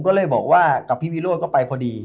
ก็เลยบอกว่ากับพี่วิโรธก็ไปพอดี